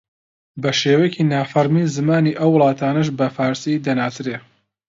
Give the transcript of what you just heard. بە شێوەیەکی نافەرمی زمانی ئەم وڵاتانەش بە فارسی دەناسرێ